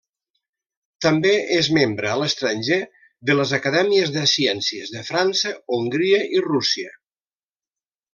També és membre a l’estranger de les Acadèmies de Ciències de França, Hongria i Rússia.